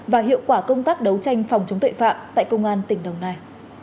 và hiệu quả công tác đấu tranh phòng chống tội phạm tại công an tỉnh đồng nai